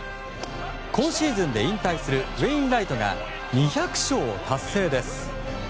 今シーズンで引退するウェインライトが２００勝を達成です。